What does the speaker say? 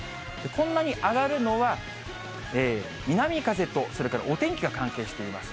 こんなに上がるのは、南風と、それからお天気が関係しています。